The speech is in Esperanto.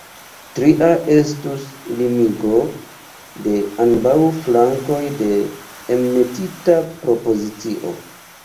Tria estus limigo de ambaŭ flankoj de enmetita propozicio.